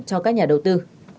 cho các nhà đầu tư